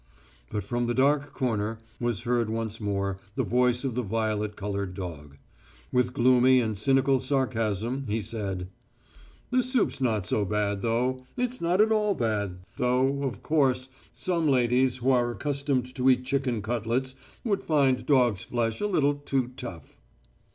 But from the dark corner was heard once more the voice of the violet coloured dog. With gloomy and cynical sarcasm he said: "The soup's not so bad, though it's not at all bad, though, of course, some ladies who are accustomed to eat chicken cutlets would find dog's flesh a little too tough."